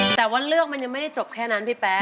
แต่ว่าเรื่องมันยังไม่ได้จบแค่นั้นพี่แป๊